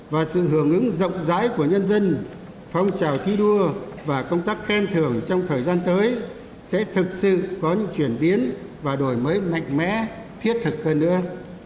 và sự hưởng ứng rộng rãi của nhân dân phong trào thi đua và công tác khen thưởng trong thời gian tới sẽ thực sự có những chuyển biến và đổi mới mạnh mẽ thiết thực hơn nữa